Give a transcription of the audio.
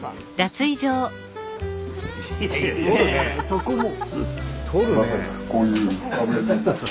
そこも。